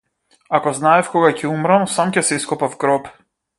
Ако знаев кога ќе умрам, сам ќе си ископав гроб.